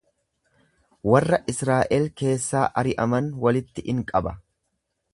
Warra Israa'el keessaa ari'aman walitti in qaba.